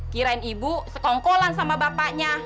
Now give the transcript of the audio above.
kirain ibu sekongkolan sama bapaknya